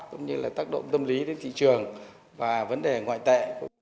cũng như là tác động tâm lý đến thị trường và vấn đề ngoại tệ